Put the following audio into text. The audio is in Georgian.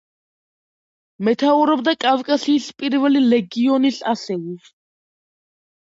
მეთაურობდა კავკასიის პირველი ლეგიონის ასეულს.